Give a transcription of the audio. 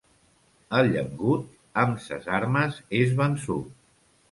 El llengut, amb ses armes és vençut.